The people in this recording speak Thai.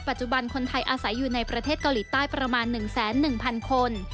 คนไทยอาศัยอยู่ในประเทศเกาหลีใต้ประมาณ๑๑๐๐๐คน